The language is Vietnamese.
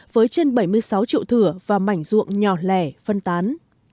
với trên bảy mươi sáu triệu thừa và mảnh ruộng nhỏ lẻ phân tán